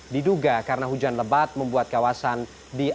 diduga karena hujan lebat membuat kawasan